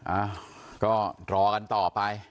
อ้าวก็รอกันต่อไป